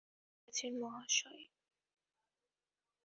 কে কে গেছেন মশায়?